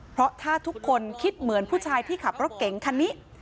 เพราะถ้าทุกคนคิดเหมือนผู้ชายที่ขับรถเก๋งคันนี้